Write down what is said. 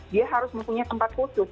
dia harus mempunyai tempat khusus